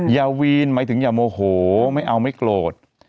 อย่าวีนหมายถึงอย่าโมโหไม่เอาไม่โกรธ